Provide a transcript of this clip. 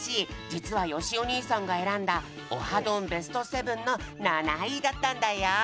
じつはよしお兄さんが選んだ「オハどん！」ベスト７の７位だったんだよ。